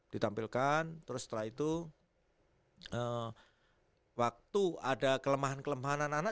ditampilkan terus setelah itu waktu ada kelemahan kelemahan anak anak